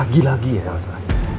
lagi lagi ya elsa